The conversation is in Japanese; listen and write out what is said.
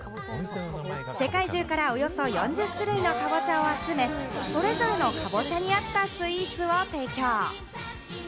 世界中からおよそ４０種類のカボチャを集め、それぞれのカボチャに合ったスイーツを提供。